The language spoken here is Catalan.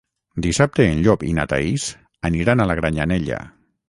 Dissabte en Llop i na Thaís aniran a Granyanella.